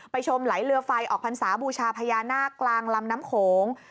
ชมไหลเรือไฟออกพรรษาบูชาพญานาคกลางลำน้ำโขง